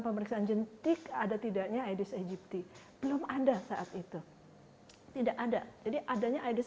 pemeriksaan jentik ada tidaknya aedes aegypti belum ada saat itu tidak ada jadi adanya aedes